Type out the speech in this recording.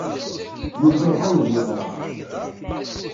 Yuba iɛawed yeɣra-d.